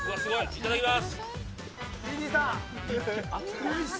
いただきます。